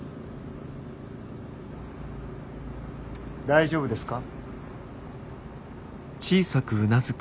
大丈夫ですか？